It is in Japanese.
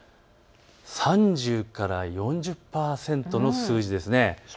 ３０から４０％の数字ですね。